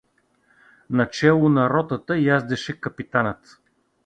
Начело на ротата яздеше капитанът.